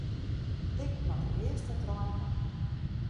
Ik moat de earste trein ha.